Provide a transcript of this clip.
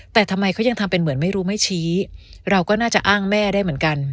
แต่ทำไมเขายังทำเป็นเหมือนไม่รู้ไม่ชี้เราก็น่าจะอ้างแม่ได้เหมือนกัน